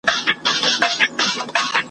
په چل ول کي بې جوړې لکه شیطان وو `